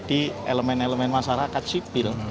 di elemen elemen masyarakat sipil